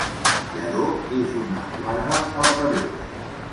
Lledó és una albarda al revés.